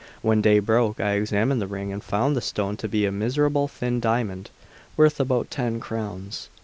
When day broke, I examined the ring, and found the stone to be a miserable thin diamond, worth about ten crowns.